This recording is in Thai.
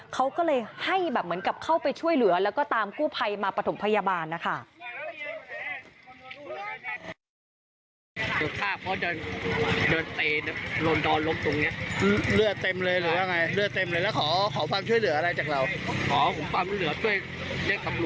เขาก็เลยให้แบบเหมือนกับเข้าไปช่วยเหลือแล้วก็ตามกู้ภัยมาประถมพยาบาลนะคะ